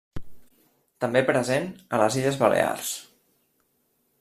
També present a les Illes Balears.